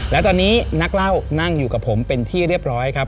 และตอนนี้นักเล่านั่งอยู่กับผมเป็นที่เรียบร้อยครับ